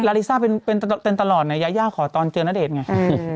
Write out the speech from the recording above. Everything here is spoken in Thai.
ลาลิซ่าเป็นตลอดยาย่าขอตอนเจอณเดชน์ไง